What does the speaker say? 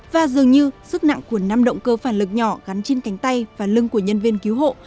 và dường như sức nặng của năm động cơ phản lực nhỏ gắn trên cánh tay và lưng của nhân viên cứu hộ